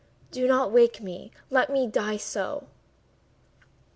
Do not wake me!—let me die so!"